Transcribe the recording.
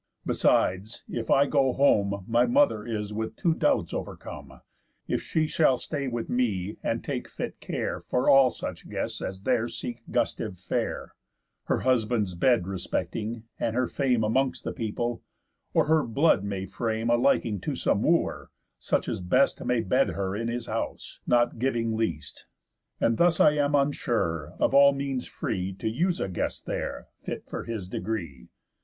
Besides, if I go home, My mother is with two doubts overcome, If she shall stay with me, and take fit care For all such guests as there seek guestive fare, Her husband's bed respecting, and her fame Amongst the people; or her blood may frame A liking to some Wooer, such as best May bed her in his house, not giving least. And thus am I unsure of all means free To use a guest there, fit for his degree.